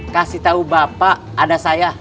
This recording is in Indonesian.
kasih tahu bapak ada saya